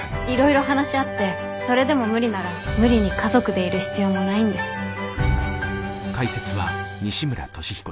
いろいろ話し合ってそれでも無理なら無理に家族でいる必要もないんです。